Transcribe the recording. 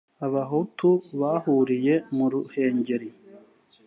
b abahutu bahuriye mu ruhengeri